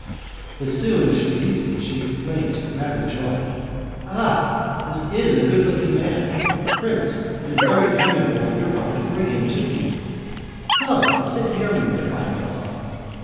As soon as she sees me, she exclaims with rapid joy, "Ah! this is a good looking man! Prince, it is very amiable on your part to bring him to me. Come and sit near me, my fine fellow!"